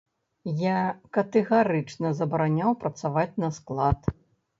Я катэгарычна забараняў працаваць на склад!